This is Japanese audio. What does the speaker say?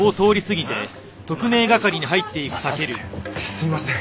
すいません。